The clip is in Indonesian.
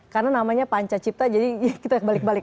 karena namanya panca cipta jadi kita balik balik